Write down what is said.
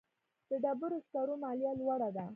د ډبرو سکرو مالیه لوړه ده